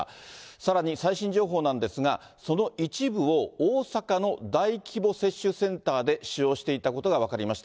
さらに最新情報なんですが、その一部を、大阪の大規模接種センターで使用していたことが分かりました。